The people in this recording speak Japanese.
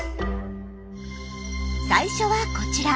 最初はこちら。